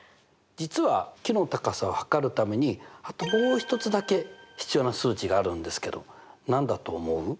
実は木の高さを測るためにあともうひとつだけ必要な数値があるんですけど何だと思う？